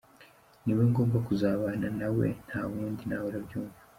Ni we ngomba kuzabana na we nta wundi na we urabyumva”.